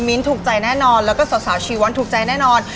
ถูกใจแน่นอนแล้วก็สาวชีวั้นถูกใจแน่นอน